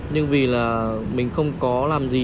nhưng vì là mình không có làm gì